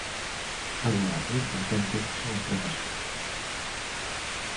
Agora o importante son os procesos.